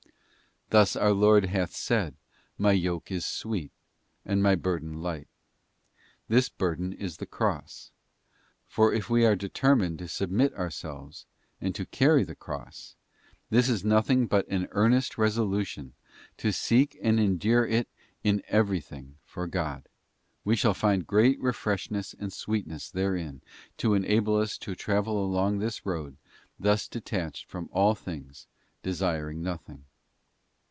Thus our Lord hath said: 'My yoke is sweet, and My burden light.' This burden is the cross. For if we are determined to submit ourselves, and to carry the cross— this is nothing else but an earnest resolution to seek and endure it in everything for God—we shall find great refreshment and sweetness therein to enable us to travel along this road, thus detached from all things, desiring nothing.